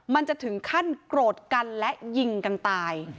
มันจะถึงขั้นโกรธกันและยิงกันตาย